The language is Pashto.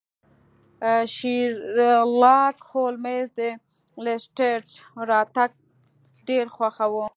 شیرلاک هولمز د لیسټرډ راتګ ډیر خوښاوه.